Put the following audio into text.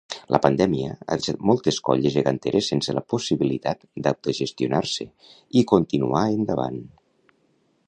La pandèmia ha deixat moltes colles geganteres sense la possibilitat d'autogestionar-se i continuar endavant.